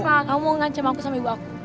apa kamu mau ngancam aku sama ibu aku